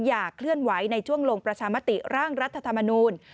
อย่าเคลื่อนไหวในช่วงลงประชามติร่างรัฐธรรมนูล